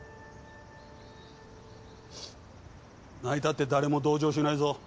泣いたって誰も同情しないぞ。